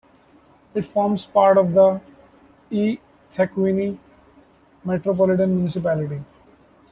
It forms part of the eThekwini Metropolitan Municipality.